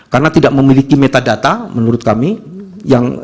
karena tidak memiliki metadata dan file foto form se plano hasil